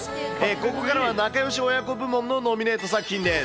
ここからは仲よし親子部門のノミネート作品です。